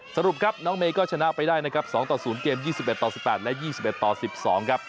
สรุปครับน้องเมย์ก็ชนะไปได้นะครับสองต่อศูนย์เกมยี่สิบเอ็ดต่อสิบแปดและยี่สิบเอ็ดต่อสิบสองครับ